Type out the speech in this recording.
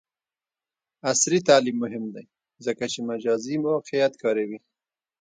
عصري تعلیم مهم دی ځکه چې مجازی واقعیت کاروي.